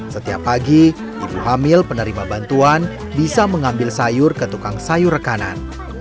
setiap pagi ibu hamil penerima bantuan bisa mengambil sayur ke tukang sayur rekanan